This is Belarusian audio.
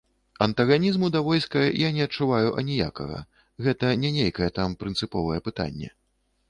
Антаганізму да войска я не адчуваю аніякага, гэта не нейкае там прынцыповае пытанне.